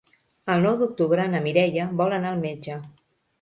El nou d'octubre na Mireia vol anar al metge.